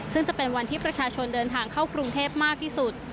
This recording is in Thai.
ซึ่งจะเป็นวันที่ประชาชนเดินทางเข้ากรุงเทพมากที่สุด